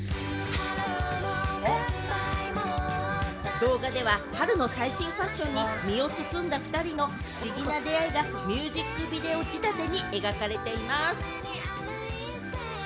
動画では春の最新ファッションに身を包んだ２人の不思議な出会いがミュージックビデオ仕立てに描かれています。